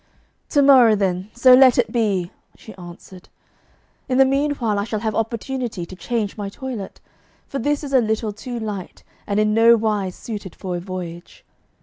'To morrow, then, so let it be!' she answered. 'In the meanwhile I shall have opportunity to change my toilet, for this is a little too light and in nowise suited for a voyage.